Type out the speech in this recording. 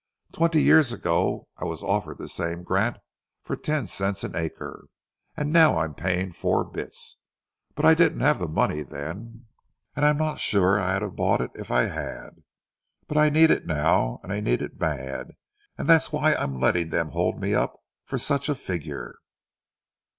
Twenty years ago I was offered this same grant for ten cents an acre, and now I'm paying four bits. But I didn't have the money then, and I'm not sure I'd have bought it if I had. But I need it now, and I need it bad, and that's why I'm letting them hold me up for such a figure."